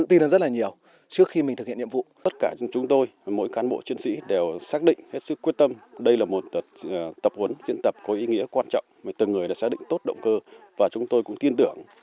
tập huấn diễn tập có ý nghĩa quan trọng từng người đã xác định tốt động cơ và chúng tôi cũng tin tưởng